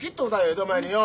江戸前によ。